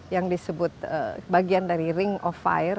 yang disebut bagian dari ring of fire